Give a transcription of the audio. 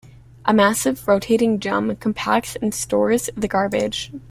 A massive rotating drum compacts and stores the garbage.